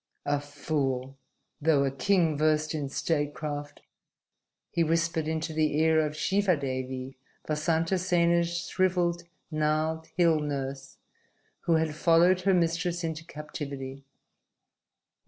"A fool though a king versed in statecraft!" he whispered into the ear of Shivadevi, Vasantasena's shriveled, gnarled hill nurse who had followed her mistress into captivity.